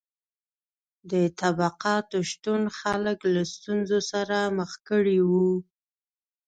د طبقاتو شتون خلک له ستونزو سره مخ کړي وو.